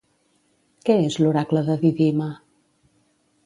Què és l'oracle de Didima?